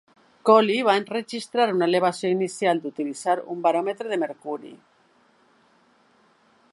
Coli va enregistrar una elevació inicial d'utilitzar un baròmetre de mercuri.